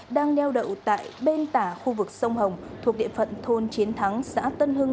đang neo đậu tại bên tả khu vực sông hồng thuộc địa phận thôn chiến thắng xã tân hưng